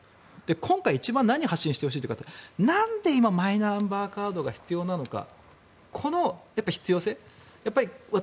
今回、一番何を発信してほしいかというとなんで今、マイナンバーカードが必要なのか。